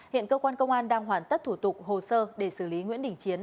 hiện cơ quan công an đang hoàn tất thủ tục hồ sơ để xử lý nguyễn đình chiến